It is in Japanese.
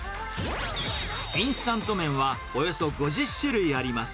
インスタント麺はおよそ５０種類あります。